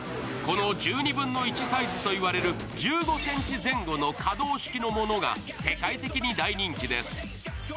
この１２分の１サイズと言われる１５ｃｍ前後の可動式のものが世界的に大人気です。